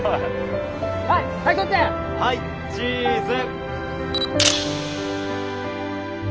はいチーズ。